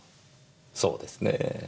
そうですねぇ。